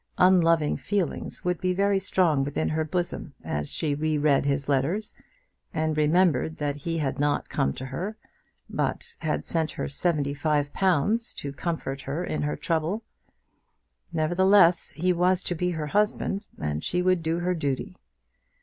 Unloving feelings would be very strong within her bosom as she re read his letters, and remembered that he had not come to her, but had sent her seventy five pounds to comfort her in her trouble! Nevertheless, he was to be her husband, and she would do her duty.